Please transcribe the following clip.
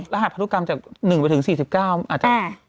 รหัสพันธุกรรมจาก๑๔๙อาจจะ